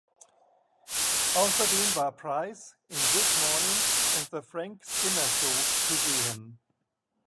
Außerdem war Price in "This Morning" und "The Frank Skinner Show" zu sehen.